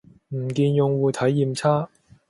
唔見用戶體驗差